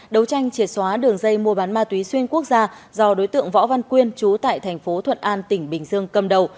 đấu tranh triệt xóa đường dây mua bán ma túy xuyên quốc gia do đối tượng võ văn quyên trú tại thành phố thuận an tỉnh bình dương cầm đầu